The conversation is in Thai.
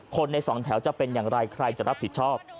ในสองแถวจะเป็นอย่างไรใครจะรับผิดชอบ